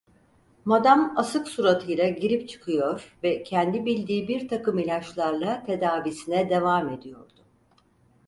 Madam asık suratıyla girip çıkıyor ve kendi bildiği birtakım ilaçlarla tedavisine devam ediyordu.